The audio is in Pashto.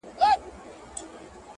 نه یې پښې لامبو ته جوړي نه لاسونه-